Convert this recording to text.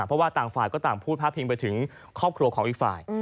เพราะว่าต่างฝ่ายก็ต่างพูดพาดพิงไปถึงครอบครัวของอีกฝ่าย